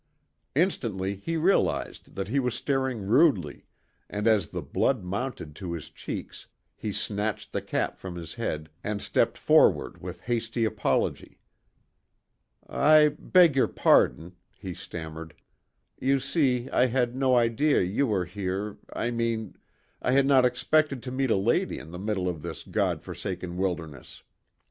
Instantly, he realized that he was staring rudely, and as the blood mounted to his cheeks, he snatched the cap from his head and stepped forward with hasty apology: "I beg your pardon," he stammered, "You see, I had no idea you were here I mean, I had not expected to meet a lady in the middle of this God forsaken wilderness.